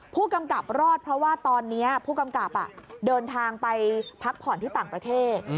ผู้กำกับรอดเพราะว่าตอนนี้ผู้กำกับเดินทางไปพักผ่อนที่ต่างประเทศ